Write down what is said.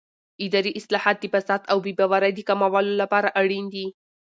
اداري اصلاحات د فساد او بې باورۍ د کمولو لپاره اړین دي